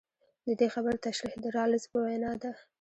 د دې خبرې تشرېح د رالز په وینا ده.